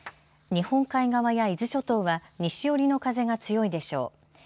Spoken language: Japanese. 日本海側や伊豆諸島は西寄りの風が強いでしょう。